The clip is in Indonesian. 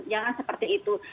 jangan seperti itu